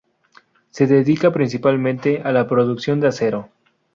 Se dedica principalmente a la producción de acero.